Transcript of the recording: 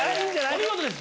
お見事です！